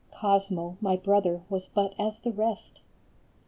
Cosmo, my brother, was but as the rest.